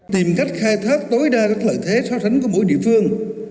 tìm cách khai thác tối đa các lợi thế so sánh của mỗi địa phương